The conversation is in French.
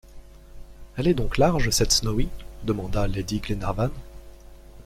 Elle est donc large, cette Snowy? demanda lady Glenarvan.